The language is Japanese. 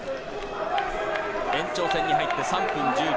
延長戦に入って３分１０秒。